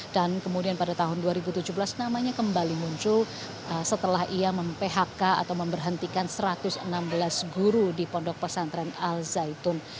dan kemudian pada tahun dua ribu tujuh belas namanya kembali muncul setelah ia mem phk atau memberhentikan satu ratus enam belas guru di pondok pesantren al zaitun